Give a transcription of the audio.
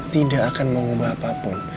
tidak akan mengubah apapun